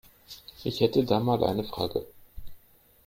Ich hätte da mal eine Frage.